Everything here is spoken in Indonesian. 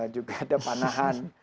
juga ada panahan